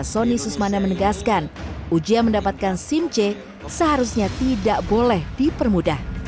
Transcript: sony susmana menegaskan ujian mendapatkan simc seharusnya tidak boleh dipermudah